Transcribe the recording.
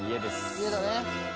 家だね